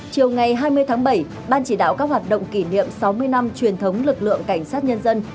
chiều ngày hai mươi tháng bảy ban chỉ đạo các hoạt động kỷ niệm sáu mươi năm truyền thống lực lượng cảnh sát nhân dân